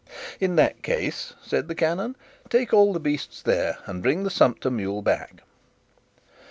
"In that case," said the canon, "take all the beasts there, and bring the sumpter mule back."